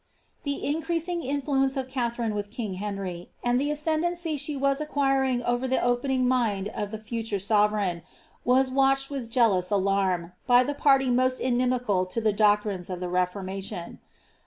The increasing influence of Katharine with king Henry, and the as cendancy she was acquiring over the opening mind of the future sove reign, were watched with jealous alarm, by the party most inimical to the doctrines of the Reformation.